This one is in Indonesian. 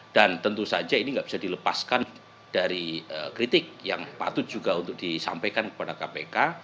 dan tentu saja ini nggak bisa dilepaskan dari kritik yang patut juga untuk disampaikan kepada kpk